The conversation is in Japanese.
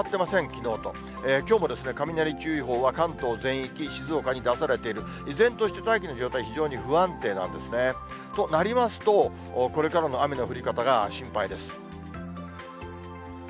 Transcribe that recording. きょうも雷注意報は関東全域、静岡に出されている、依然として大気の状態、非常に不安定なんですね。となりますと、これからの雨の降り方が心配です。